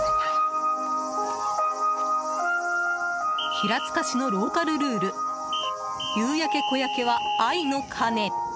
平塚市のローカルルール「夕焼け小焼け」は「愛の鐘」。